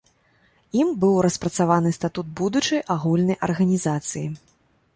Ім быў распрацаваны статут будучай агульнай арганізацыі.